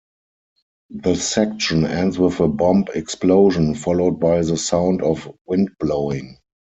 The section ends with a bomb explosion, followed by the sound of wind blowing.